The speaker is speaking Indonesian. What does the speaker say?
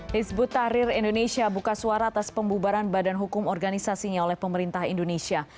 hizbut tahrir indonesia buka suara atas pembubaran badan hukum organisasinya oleh pemerintah indonesia